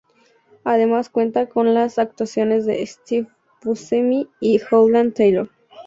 Además cuenta con las actuaciones de Steve Buscemi y Holland Taylor.